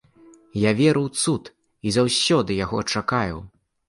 Я веру ў цуд і заўсёды яго чакаю.